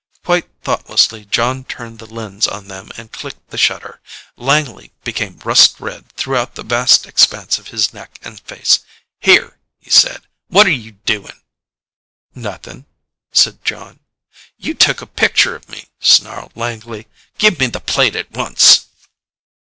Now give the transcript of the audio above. Quite thoughtlessly Jon turned the lens on them and clicked the shutter. Langley became rust red throughout the vast expanse of his neck and face. "Here!" he said, "what are you doing?" "Nothing," said Jon. "You took a picture of me," snarled Langley. "Give me the plate at once."